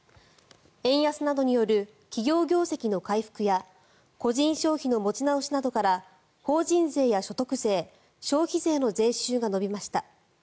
円安などによる企業業績の回復や個人消費の持ち直しなどから法人税や所得税消費税の税収が伸びました。